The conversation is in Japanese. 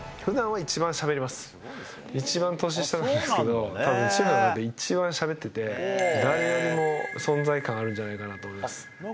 一番年下だけど、たぶんチームの中で一番しゃべってて、誰よりも存在感あるんじゃないかなと思います。